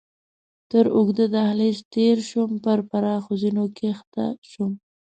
تر اوږده دهلېز تېر شوم، پر پراخو زینو کښته شوم.